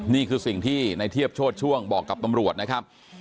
นี่คือสิ่งที่ในเทียบโชธช่วงบอกกับตำรวจนะครับ